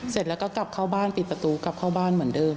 เสร็จแล้วก็กลับเข้าบ้านปิดประตูกลับเข้าบ้านเหมือนเดิม